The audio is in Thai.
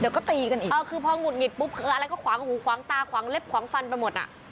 เดี๋ยวก็ตีกันอีกเออคือพอหงุดหงิดปุ๊บคืออะไรก็ขวางหูขวางตาขวางเล็บขวางฟันไปหมดอ่ะ